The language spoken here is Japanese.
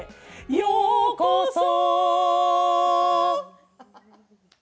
ようこそ。